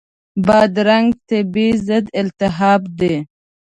بادرنګ طبیعي ضد التهاب دی.